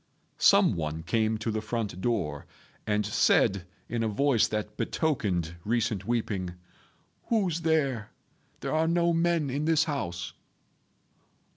Some one came to the front door, and said, in a voice that betokened recent weeping, "Who's there? There are no men in this house."